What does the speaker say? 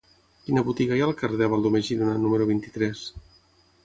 Quina botiga hi ha al carrer de Baldomer Girona número vint-i-tres?